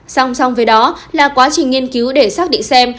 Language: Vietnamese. song song với đó là quá trình nghiên cứu để xác định xem